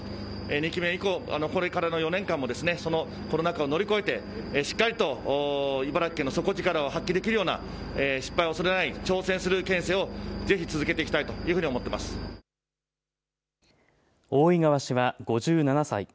２期目以降、これからの４年間もそのコロナ禍を乗り越えてしっかりと茨城県の底力を発揮できるような失敗を恐れない挑戦する県政をぜひ続けていきたいと大井川氏は５７歳。